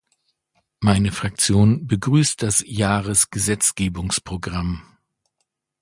Meine Fraktion begrüßt das Jahresgesetzgebungsprogramm.